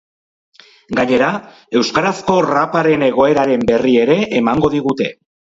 Gainera, euskarazko raparen egoeraren berri ere emango digute.